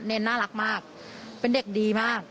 น่ารักมากเป็นเด็กดีมาก